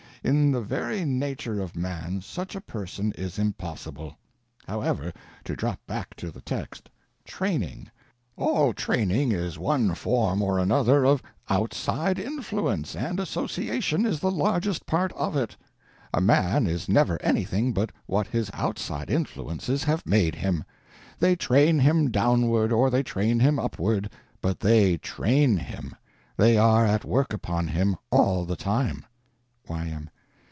In the very nature of man such a person is impossible. However, to drop back to the text—training: all training is one form or another of _outside influence, _and _association _is the largest part of it. A man is never anything but what his outside influences have made him. They train him downward or they train him upward—but they _train _him; they are at work upon him all the time. Y.M.